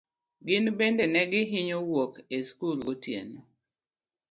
Gin bende ne gihinyo wuok e skul gotieno.